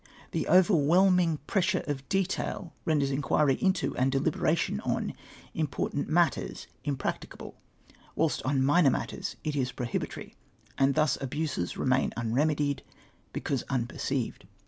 The overwhelming pressure of detail renders inquiry into, and deliberation on, im portant matters impracticable, whilst on minor matters it is prohibitory, and thus abuses remain lun'emedied, because unperceived.